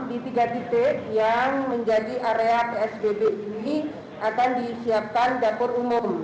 di tiga titik yang menjadi area psbb ini akan disiapkan dapur umum